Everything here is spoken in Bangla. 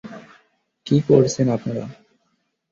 কী করছেন আপনারা?